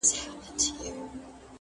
o ته له ما جار، زه له تا جار!